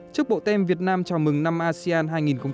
trước bộ tem việt nam chào mừng năm asean hai nghìn hai mươi